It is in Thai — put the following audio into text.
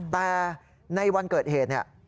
แต่ในวันเกิดเหตุเนี่ย